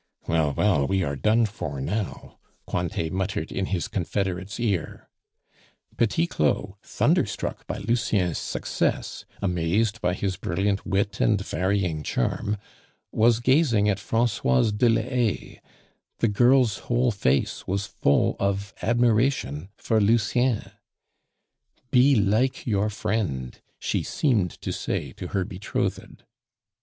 "Well, well, we are done for now," Cointet muttered in his confederate's ear. Petit Claud, thunderstruck by Lucien's success, amazed by his brilliant wit and varying charm, was gazing at Francoise de la Haye; the girl's whole face was full of admiration for Lucien. "Be like your friend," she seemed to say to her betrothed.